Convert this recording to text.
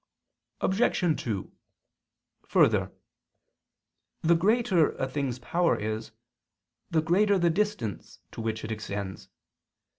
Obj. 2: Further, the greater a thing's power is, the greater the distance to which it extends.